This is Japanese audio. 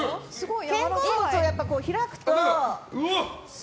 肩甲骨を開くと。